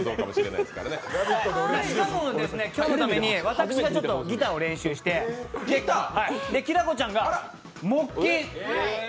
しかも、今日のために私はギターを練習して、きらこちゃんが木琴。